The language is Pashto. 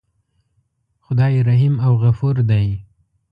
خدای رحیم او غفور دی.